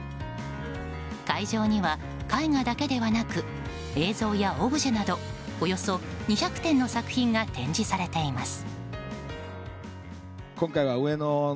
会場には絵画だけではなく映像やオブジェなどおよそ２００点の作品が展示されています。